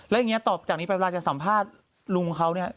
แล้วอย่างนี้ต่อจากนี้ไปเวลาจะสัมภาษณ์ลุงเขาเนี่ย